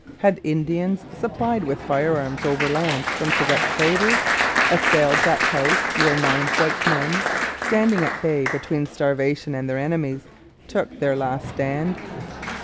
Had Indians, supplied with firearms overland from Quebec traders, assailed that house where nine white men, standing at bay between starvation and their enemies, took their last stand?